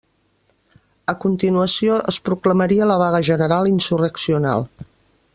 A continuació es proclamaria la vaga general insurreccional.